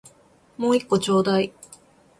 もう一個ちょうだい